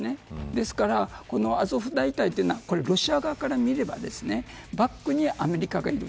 ですからこのアゾフ大隊というのはロシア側から見ればバックにアメリカがいる。